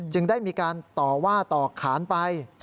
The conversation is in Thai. ได้มีการต่อว่าต่อขานไป